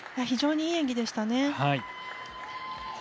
非常にいい演技でしたね。